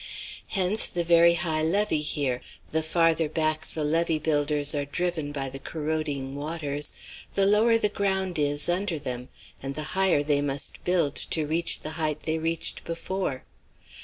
Hence the very high levee here; the farther back the levee builders are driven by the corroding waters the lower the ground is under them, and the higher they must build to reach the height they reached before.